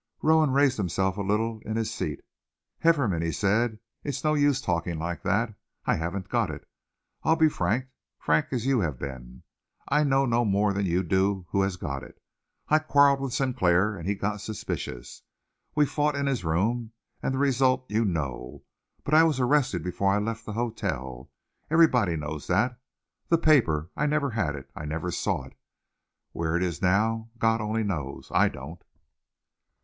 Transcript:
Rowan raised himself a little in his seat. "Hefferom," he said, "it's no use talking like that. I haven't got it. I'll be frank, frank as you have been. I know no more than you do who has got it. I quarrelled with Sinclair, and he got suspicious. We fought in his room, and the result you know, but I was arrested before I left the hotel. Everyone knows that. The paper I never had it I never even saw it. Where it is now God only knows. I don't."